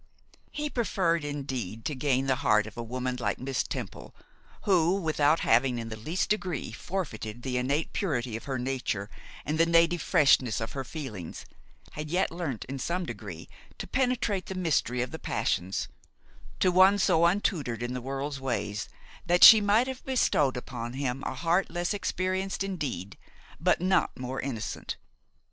He preferred indeed to gain the heart of a woman like Miss Temple, who, without having in the least degree forfeited the innate purity of her nature and the native freshness of her feelings, had yet learnt in some degree to penetrate the mystery of the passions, to one so untutored in the world's ways, that she might have bestowed upon him a heart less experienced indeed, but not more innocent.